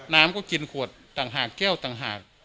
น้ำก็กินขวดต่างหากแก้วต่างหาก